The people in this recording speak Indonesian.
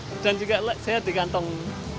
terus dan juga sehat di kantong